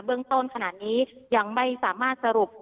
เรื่องต้นขนาดนี้ยังไม่สามารถสรุป